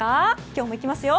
今日も行きますよ。